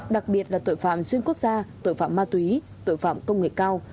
đặc biệt là tội phạm xuyên quốc gia tội phạm ma túy tội phạm công nghệ cao